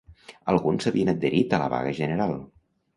Alguns s'havien adherit a la vaga general